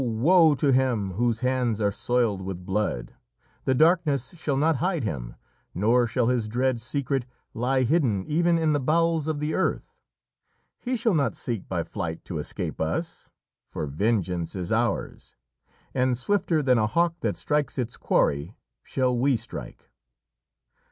woe! to him whose hands are soiled with blood! The darkness shall not hide him, nor shall his dread secret lie hidden even in the bowels of the earth! He shall not seek by flight to escape us, for vengeance is ours, and swifter than a hawk that strikes its quarry shall we strike.